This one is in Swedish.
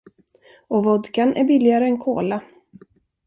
Och vodkan är billigare än cola.